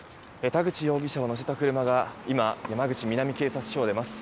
田口容疑者を乗せた車が今、山口南警察署を出ます。